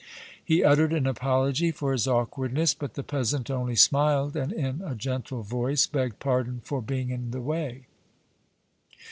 He uttered an apology for his awkwardness, but the peasant only smiled and, in a gentle voice, begged pardon for being in the way.